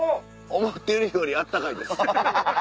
思ってるより暖かいです。